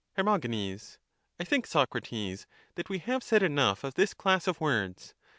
Her. I think, Socrates, that we have said enough of this class of words.